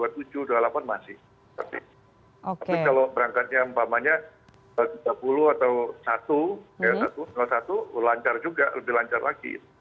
tapi kalau berangkatnya tiga puluh atau satu satu lancar juga lebih lancar lagi